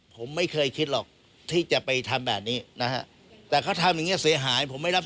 ผมไม่เคยคิดหรอกที่จะไปทำแบบนี้นะฮะ